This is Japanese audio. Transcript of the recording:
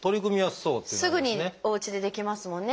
すぐにおうちでできますもんね。